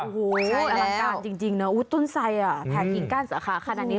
โอ้โหอลังการจริงนะต้นไส้แผ่กิ่งก้านสาขาขนาดนี้